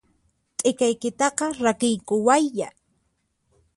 T'ikaykitaqa rakiykuwayyá!